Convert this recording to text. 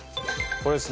これですね。